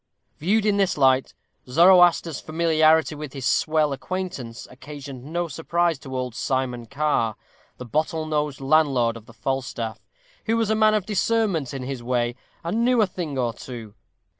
Viewed in this light, Zoroaster's familiarity with his swell acquaintance occasioned no surprise to old Simon Carr, the bottle nosed landlord of the Falstaff, who was a man of discernment in his way, and knew a thing or two.